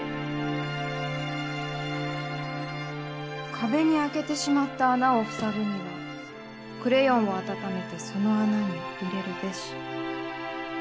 「壁に開けてしまった穴を塞ぐにはクレヨンを温めてその穴に入れるべし」